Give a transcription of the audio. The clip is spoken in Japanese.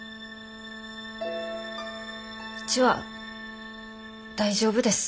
うちは大丈夫です。